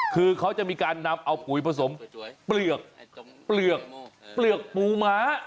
คือเขาจะมีการนำเอาปุ๋ยผสมเปลือกเปลือกปูม้า